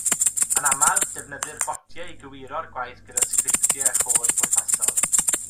Yn aml, defnyddir botiau i gywiro'r gwaith gyda sgriptiau a chod pwrpasol.